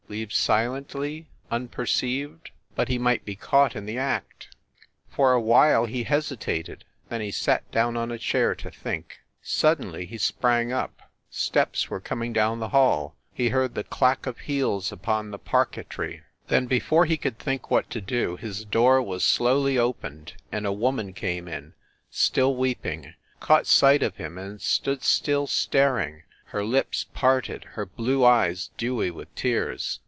Leave silently, unper ceived ? But he might be caught in the act. For a while he hesitated, then he sat down on a chair to think. Suddenly he sprang up ; steps were coming down the hall he heard the clack of heels upon the par quetry. Then, before he could think what to do, his door was slowly opened and a woman came in, still weeping, caught sight of him, and stood still, star ing, her lips parted, her blue eyes dewy with tears.